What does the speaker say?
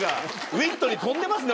ウイットに富んでますね。